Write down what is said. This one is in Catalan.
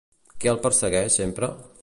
Què el persegueix sempre?